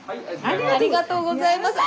ありがとうございます。